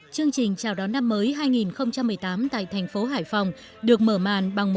chương trình chào đón năm mới hai nghìn một mươi tám tại thành phố hải phòng được mở màn bằng